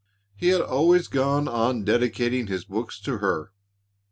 He had always gone on dedicating his books to her.